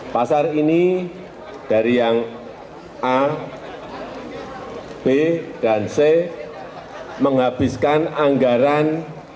pasar ini dari yang a b dan c menghabiskan anggaran